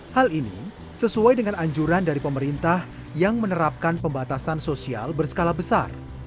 hal ini sesuai dengan anjuran dari pemerintah yang menerapkan pembatasan sosial berskala besar